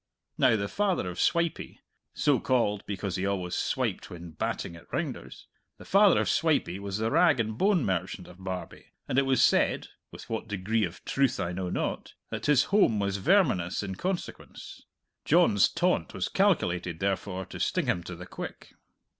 Now the father of Swipey so called because he always swiped when batting at rounders the father of Swipey was the rag and bone merchant of Barbie, and it was said (with what degree of truth I know not) that his home was verminous in consequence. John's taunt was calculated, therefore, to sting him to the quick.